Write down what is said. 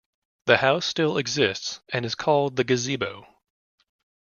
The house still exists and is called the 'Gazebo'.